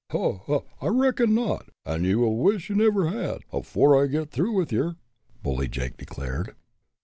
"Ho! ho! I reckon not, an' ye'll wish ye never had, afore I git through with yer!" Bully Jake declared.